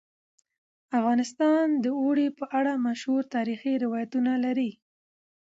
افغانستان د اوړي په اړه مشهور تاریخی روایتونه لري.